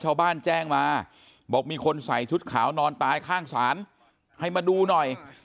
ชาวบ้านแจ้งมาบอกมีคนใส่ชุดขาวนอนตายข้างศาลให้มาดูหน่อย